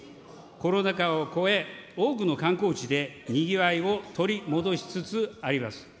コロナ禍を越え、多くの観光地でにぎわいを取り戻しつつあります。